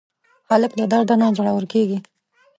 هلک له درده نه زړور کېږي.